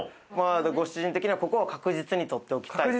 ご主人的にはここは確実に取っておきたい。